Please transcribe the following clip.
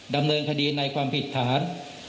ดำเนินคดีในความผิดฐาน